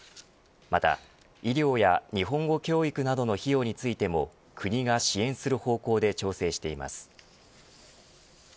また医療や日本語教育などの費用についても国が支援する方向で調整しています。